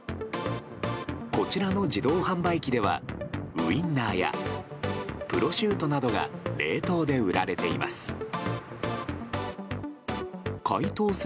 こちらの自動販売機ではウィンナーやプロシュートなどが冷凍で売られています。